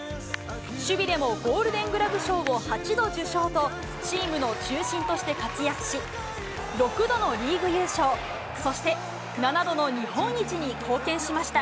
守備でもゴールデングラブ賞を８度受賞と、チームの中心として活躍し、６度のリーグ優勝、そして７度の日本一に貢献しました。